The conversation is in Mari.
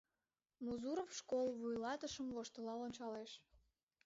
Музуров школ вуйлатышым воштылал ончалеш.